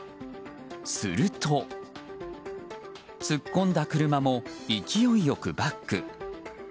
すると、突っ込んだ車も勢い良くバック。